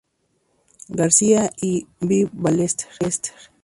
García y B. Ballester.